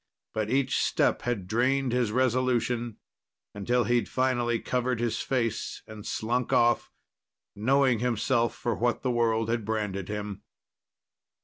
But each step had drained his resolution, until he'd finally covered his face and slunk off, knowing himself for what the world had branded him.